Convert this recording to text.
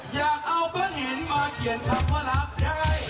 อยากเอาก้อนหินมาเขียนคำว่ารักได้